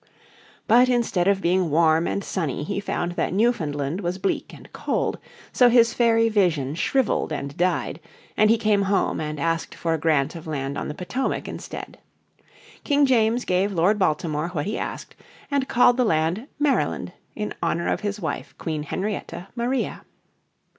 But instead of being warm and sunny he found that Newfoundland was bleak and cold, so his fairy vision shriveled and died, and be came home and asked for a grant of land on the Potomac instead. In 1632 King James gave Lord Baltimore what he asked and called the land Maryland in honour of his wife, Queen Henrietta Maria.